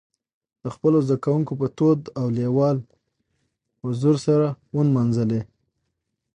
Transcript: د خپلو زدهکوونکو په تود او لېوال حضور سره ونمانځلي.